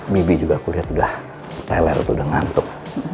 bibi juga aku lihat udah teler udah ngantuk